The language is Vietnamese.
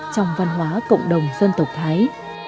trong văn hóa cộng đồng dân tộc thái